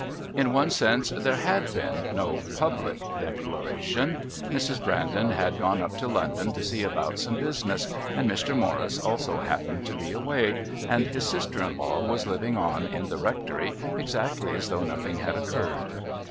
In one sense there had been no public declaration. Mrs. Brandon had gone up to London to see about some business, and Mr. Morris also happened to be away, and his sister in law was living on in the Rectory exactly as though nothing had occurred.